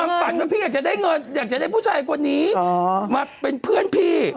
ฝันว่าพี่อยากจะได้เงินอยากจะได้ผู้ชายคนนี้มาเป็นเพื่อนพี่